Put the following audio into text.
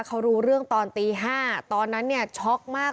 เขารู้เรื่องตอนตี๕ตอนนั้นเนี่ยช็อกมาก